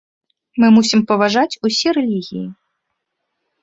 Мы мусім паважаць усе рэлігіі.